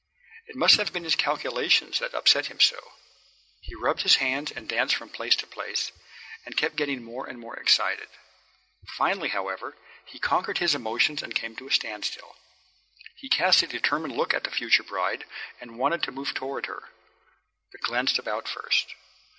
It must have been his calculations that upset him so. He rubbed his hands and danced from place to place, and kept getting more and more excited. Finally, however, he conquered his emotions and came to a standstill. He cast a determined look at the future bride and wanted to move toward her, but glanced about first.